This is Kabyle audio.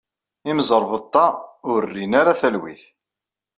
Imẓerbeḍḍa ur rin ara talwit.